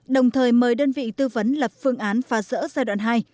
đồng thời mời đơn vị tư vấn lập phương án phá rỡ giai đoạn hai